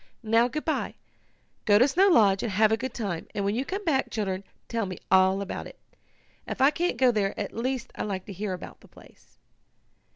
"Now, good bye. Go to Snow Lodge, and have a good time, and when you come back, children, tell me all about it. If I can't go there at least I like to hear about the place."